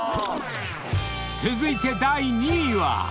［続いて第２位は］